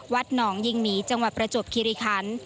วัดหนองยิงหมีจังหวัดประจวบคิริคัน